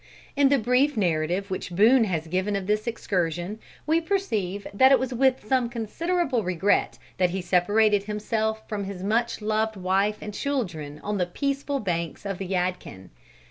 In the brief narrative which Boone has given of this excursion, we perceive that it was with some considerable regret that he separated himself from his much loved wife and children on the peaceful banks of the Yadkin.